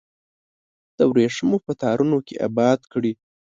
د وریښمو په تارونو کې اباد کړي